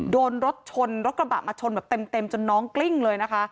โดนรถชนรถกระบะมาชนแบบเต็มจนน้องกลิ้งเลยนะคะ